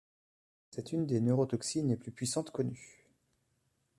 C'est une des neurotoxines les plus puissantes connues.